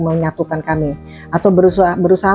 menyatukan kami atau berusaha